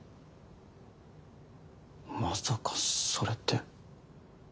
まさかそれって。